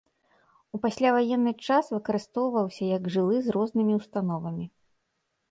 У пасляваенны час выкарыстоўваўся як жылы з рознымі установамі.